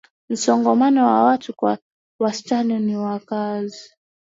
Msongamano wa watu kwa wastani ni wakazi